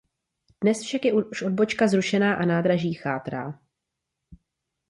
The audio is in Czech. Dnes však je už odbočka zrušená a nádraží chátrá.